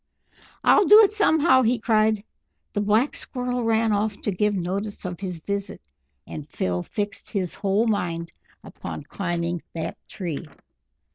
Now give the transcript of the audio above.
"I'll do it somehow!" he cried. The Black Squirrel ran off to give notice of his visit, and Phil fixed, his whole mind upon climbing that tree.